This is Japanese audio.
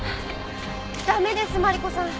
駄目ですマリコさん。